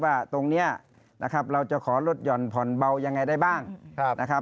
ว่าตรงนี้เราจะขอลดหย่อนผ่อนเบายังไงได้บ้าง